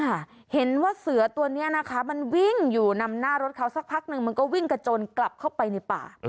เห็นว่าเสือตัวเนี้ยนะคะมันวิ่งอยู่นำหน้ารถเขาสักพักนึงมันก็วิ่งกระโจนกลับเข้าไปในป่า